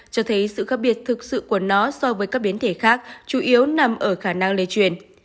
cho thấy sự khác biệt thực sự của nó so với các biến thể khác chủ yếu nằm ở khả năng lây truyền